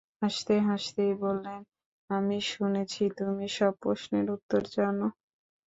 হাসতে-হাসতেই বললেন, আমি শুনেছি তুমি সব প্রশ্নের উত্তর জান।